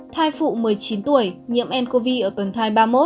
thai phụ một mươi chín tuổi nhiễm ncov ở tuần thai ba mươi một